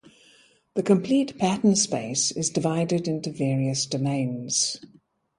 The complete pattern space is divided into various domains.